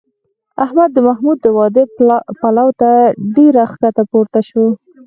احمد د محمود د واده پلو ته ډېر ښکته پورته شو